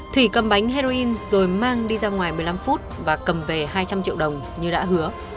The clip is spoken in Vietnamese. thủy cầm bánh heroin rồi mang đi ra ngoài một mươi năm phút và cầm về hai trăm linh triệu đồng như đã hứa